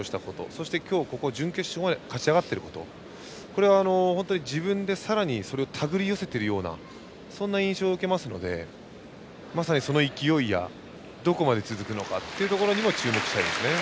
そして今日も準決勝まで勝ち上がっていることこれは本当に自分で、さらに手繰り寄せているようなそんな印象を受けますのでまさにその勢いがどこまで続くのかにも注目したいですね。